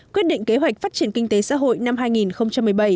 quyết định kế hoạch phát triển kinh tế xã hội năm hai nghìn một mươi bảy